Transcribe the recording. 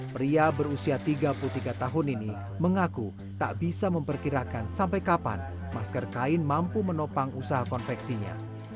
pria berusia tiga puluh tiga tahun ini mengaku tak bisa memperkirakan sampai kapan masker kain mampu menopang usaha konveksinya